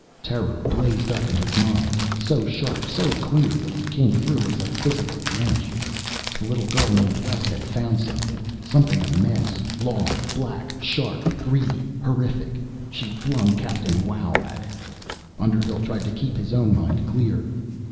Terror blazed up in his mind, so sharp, so clear, that it came through as a physical wrench. The little girl named West had found something something immense, long, black, sharp, greedy, horrific. She flung Captain Wow at it. Underhill tried to keep his own mind clear.